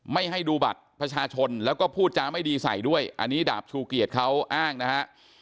ไม่ให้ดูบัตรประชาชนแล้วก็พูดจาไม่ดีใส่ด้วยอันนี้ดาบชูเกียจเขาอ้างนะฮะ